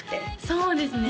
そうですね